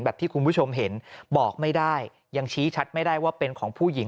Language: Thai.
ที่คุณผู้ชมเห็นบอกไม่ได้ยังชี้ชัดไม่ได้ว่าเป็นของผู้หญิง